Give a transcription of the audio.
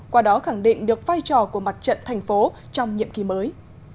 qua đó khẳng định được vai trò của mặt trận thành phố trong nhiệm kỳ mới